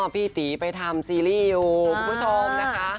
พี่ตีไปทำซีรีส์อยู่คุณผู้ชมนะคะ